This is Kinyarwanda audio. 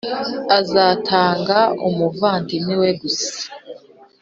azatanga umuvandimwe we gusa